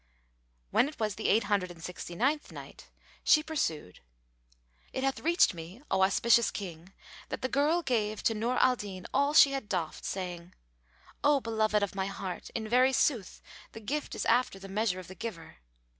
When it was the Eight Hundred and Sixty ninth Night, She pursued, It hath reached me, O auspicious King, that the girl gave to Nur al Din all she had doffed, saying, "O beloved of my heart, in very sooth the gift is after the measure of the giver."